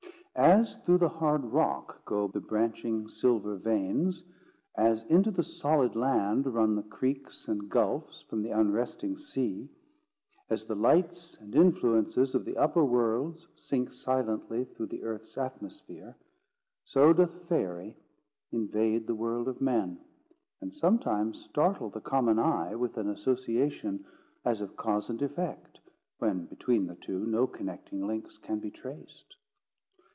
As through the hard rock go the branching silver veins; as into the solid land run the creeks and gulfs from the unresting sea; as the lights and influences of the upper worlds sink silently through the earth's atmosphere; so doth Faerie invade the world of men, and sometimes startle the common eye with an association as of cause and effect, when between the two no connecting links can be traced.